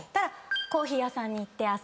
コーヒー屋さんに行って朝。